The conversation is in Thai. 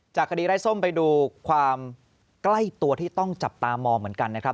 คดีไร้ส้มไปดูความใกล้ตัวที่ต้องจับตามองเหมือนกันนะครับ